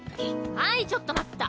はいちょっと待った。